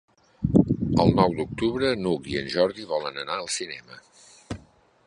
El nou d'octubre n'Hug i en Jordi volen anar al cinema.